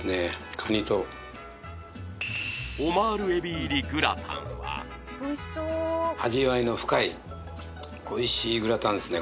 カニとオマール海老入りグラタンは味わいの深いおいしいグラタンですね